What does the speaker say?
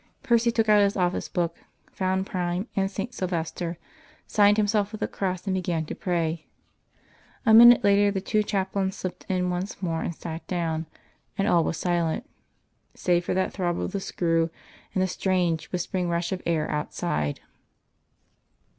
Percy took out his office book, found Prime and St. Sylvester, signed himself with the cross, and began to pray. A minute later the two chaplains slipped in once more, and sat down; and all was silent, save for that throb of the screw, and the strange whispering rush of air outside.